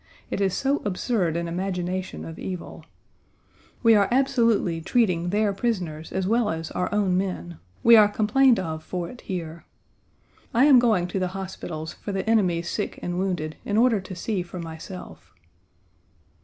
It is so absurd an imagination of evil. We are absolutely treating their prisoners as well as our own men: we are complained of for it here. I am going to the hospitals for the enemy's sick and wounded in order to see for myself.